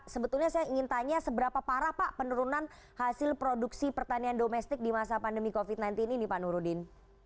sebetulnya saya ingin tanya seberapa parah pak penurunan hasil produksi pertanian domestik di masa pandemi covid sembilan belas ini pak nurudin